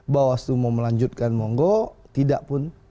bahwa setelah itu mau melanjutkan monggo tidakpun